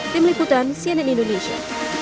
tim liputan cnn indonesia